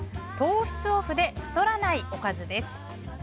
糖質オフで太らないおかずです。